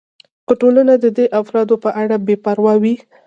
که ټولنه د دې افرادو په اړه بې پروا وي.